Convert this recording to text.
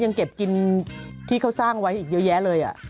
ยังเก็บกินที่เขาสร้างไว้อีกเยอะแยะเลย